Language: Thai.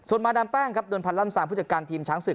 ส่วนมาดามแป้งครับโดนพันล่ำซางผู้จัดการทีมช้างศึก